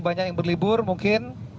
banyak yang berlibur mungkin